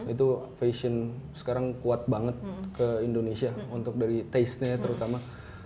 itu fashion sekarang kuat banget ke indonesia untuk dari taste nya terutama